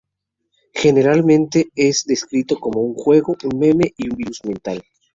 Generalmente es descrito como un juego, un meme y un "virus mental".